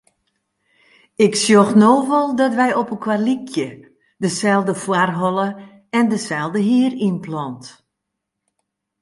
Ik sjoch no wol dat wy opelkoar lykje; deselde foarholle en deselde hierynplant.